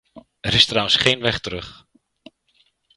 Er is trouwens geen weg terug.